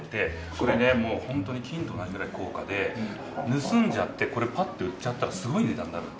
これねもうホントに金と同じくらい高価で盗んじゃってこれをパッと売っちゃったらすごい値段になるんで。